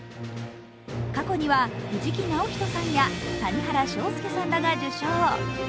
過去には藤木直人さんや谷原章介さんらが受賞。